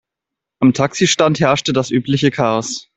Am Taxistand herrschte das übliche Chaos.